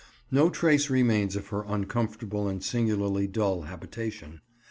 No trace remains of her uncomfortable and singularly dull habitation.